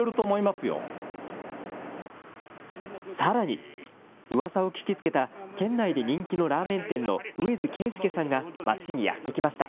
さらに、うわさを聞きつけた県内で人気のラーメン店の上江洲恵介さんが町にやって来ました。